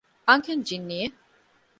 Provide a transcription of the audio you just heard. އަންހެން ޖިންނިއެއް